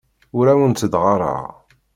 Ur awent-d-ɣɣareɣ.